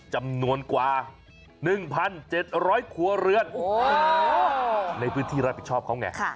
จำนวนกว่า๑๗๐๐ครัวเรือนในพื้นที่รับผิดชอบเขาไง